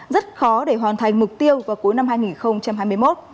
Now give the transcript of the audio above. rất khó để hoàn thành mục tiêu vào cuối năm hai nghìn hai mươi một